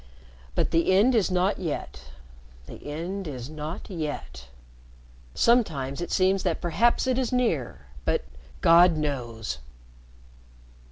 "But the end is not yet the end is not yet. Sometimes it seems that perhaps it is near but God knows!"